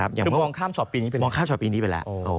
คือมองข้ามช็อปีนี้ไปมองข้ามชอตปีนี้ไปแล้ว